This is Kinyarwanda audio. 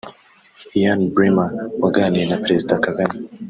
Ian Bremmer waganiriye na Perezida Kagame